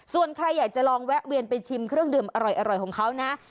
ส่วนใครอยากจะลองแวะเวียนไปชิมเครื่องดื่มอร่อยของเขานะ